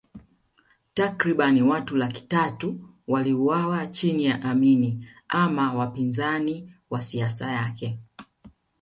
Takriban watu laki tatu waliuawa chini ya Amin ama wapinzani wa siasa yake